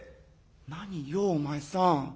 「何よお前さん。